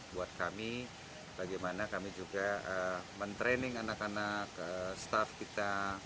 buat kami bagaimana kami juga mentraining anak anak staff kita